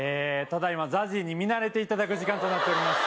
ただいまＺＡＺＹに見慣れていただく時間となっております